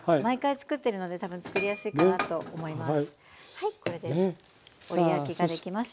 はいこれで折り焼きができました。